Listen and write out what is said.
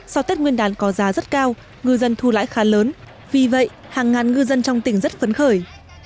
sau tết nguyên đán có giá rất cao ngư dân thu lãi khá lớn vì vậy hàng ngàn ngư dân trong tỉnh rất phấn khởi